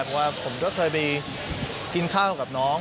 เพราะว่าผมก็เคยไปกินข้าวกับน้อง